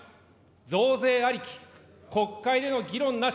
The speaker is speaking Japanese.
増税ありき、国会での議論なし。